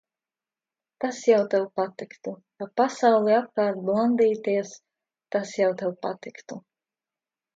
Tas jau tev patiktu. Pa pasauli apkārt blandīties, tas jau tev patiktu.